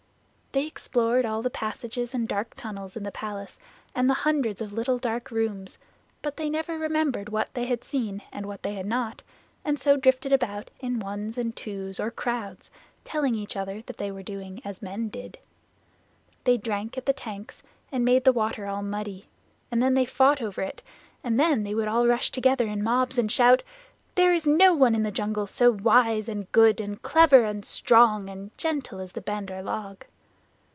They explored all the passages and dark tunnels in the palace and the hundreds of little dark rooms, but they never remembered what they had seen and what they had not; and so drifted about in ones and twos or crowds telling each other that they were doing as men did. They drank at the tanks and made the water all muddy, and then they fought over it, and then they would all rush together in mobs and shout: "There is no one in the jungle so wise and good and clever and strong and gentle as the Bandar log."